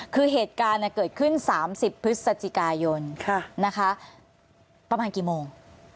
คือเหตุการณ์เกิดขึ้น๓๐พฤศจิกายนประมาณกี่โมง